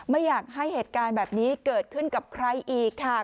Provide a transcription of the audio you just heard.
ไม่อยากให้เหตุการณ์แบบนี้เกิดขึ้นกับใครอีกค่ะ